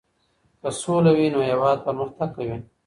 که سوله وي، نو هيواد پرمختګ کوي.